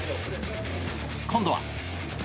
今度は。